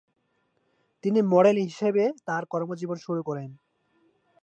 তিনি মডেল হিসেবে তার কর্মজীবন শুরু করেন।